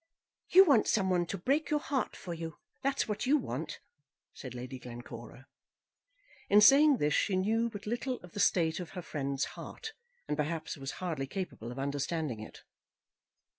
"You want some one to break your heart for you; that's what you want," said Lady Glencora. In saying this she knew but little of the state of her friend's heart, and perhaps was hardly capable of understanding it.